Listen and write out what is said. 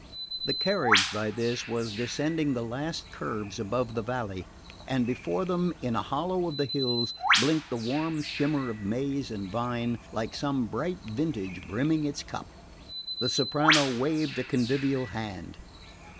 The carriage, by this, was descending the last curves above the valley, and before them, in a hollow of the hills, blinked the warm shimmer of maize and vine, like some bright vintage brimming its cup. The soprano waved a convivial hand.